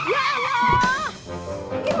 eh berhenti dulu